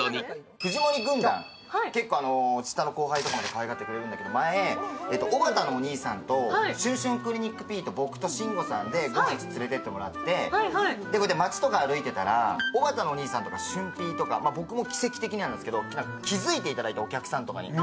藤森軍団、結構、下の後輩とかもかわいがってくれるんだけど、前、おばたのお兄さんとしゅんしゅんクリニックＰと僕と慎吾さんでご飯に連れていってもらって街とか歩いてたら、おばたのお兄さんとか僕とかも気づいていただいて、お客さんとかに。